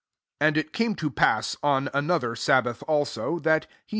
6 ^< Ako it came to pass, on another sabbath also, that he.